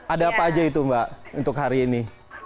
ada apa aja itu mbak untuk hari ini